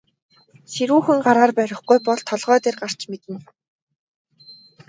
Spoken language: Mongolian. Ширүүхэн гараар барихгүй бол толгой дээр гарч мэднэ.